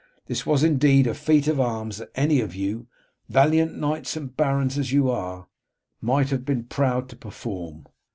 This was indeed a feat of arms that any of you, valiant knights and barons as you are, might have been proud to perform.